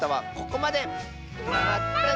まったね！